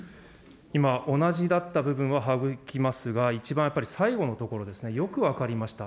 今、同じだった部分は省きますが、一番やっぱり最後のところですね、よく分かりました。